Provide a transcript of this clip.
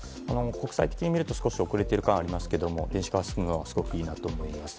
国際的に見ると少し遅れている感ありますけど電子化が進むのはすごくいいなと思います。